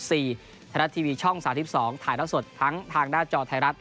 ไทยรัฐทีวีช่อง๓๒ถ่ายแล้วสดทั้งทางหน้าจอไทยรัฐ